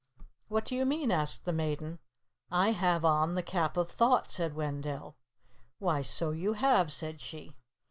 "What do you mean?" asked the Maiden. "I have on the Cap of Thought," said Wendell. "Why, so you have," said she.